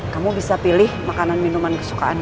kamu bisa pilih makanan minuman kesukaan